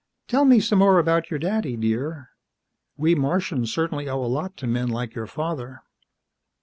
"Tell me some more about your daddy, dear. We Martians certainly owe a lot to men like your father."